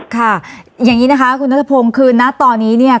ค่ะอย่างนี้นะคะคุณนัทพงศ์คือนะตอนนี้เนี่ย